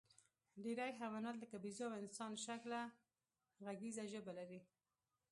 ډېری حیوانات، لکه بیزو او انسانشکله غږیزه ژبه لري.